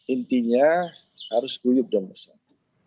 intinya harus guyup dan bersatu